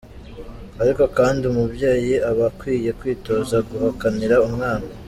Ariko kandi umubyeyi aba akwiye kwitoza guhakanira umwana.